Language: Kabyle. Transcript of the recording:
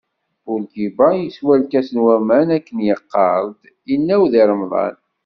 Burgiba yeswa lkas n waman akken yeqqar-d inaw deg remḍan.